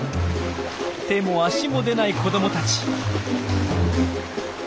手も足も出ない子どもたち。